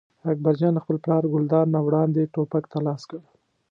اکبر جان له خپل پلار ګلداد نه وړاندې ټوپک ته لاس کړ.